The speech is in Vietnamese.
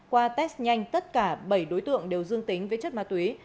qua test nhanh tất cả bảy đối tượng đều dương tính với chất ma túy